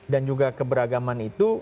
dan juga keberagaman itu